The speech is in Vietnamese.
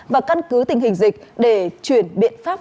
và căn cứ tình hình dịch để chuyển biện pháp